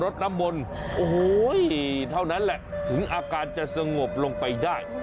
เท่านั้นแหละถึงอาการจะสงบลงไปได้